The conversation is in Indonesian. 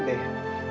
be ada opi be